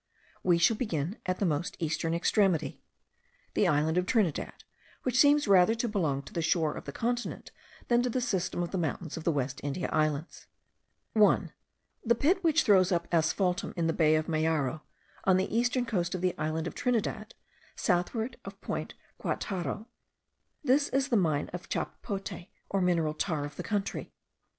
We shall begin with the most eastern extremity, the island of Trinidad; which seems rather to belong to the shore of the continent than to the system of the mountains of the West India Islands. 1. The pit which throws up asphaltum in the bay of Mayaro, on the eastern coast of the island of Trinidad, southward of Point Guataro. This is the mine of chapapote or mineral tar of the country.